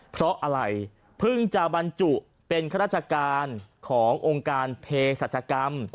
เพราะอะไรเพิ่งจะบรรจุเป็นข้าราชการขององค์การเพศรัชกรรม